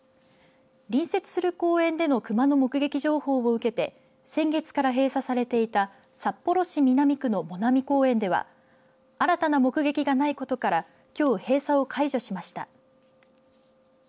隣接する公園での熊の目撃情報を受けて先月から閉鎖されていた札幌市南区の藻南公園では新たな目撃がないことからきょう閉鎖を解除しました。